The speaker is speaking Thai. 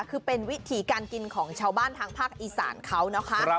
คือเป็นวิถีการกินของชาวบ้านทางภาคอีสานเขานะคะ